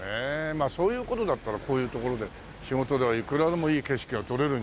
まあそういう事だったらこういう所で仕事ではいくらでもいい景色が撮れるんじゃないかと。